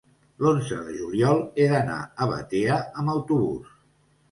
l'onze de juliol he d'anar a Batea amb autobús.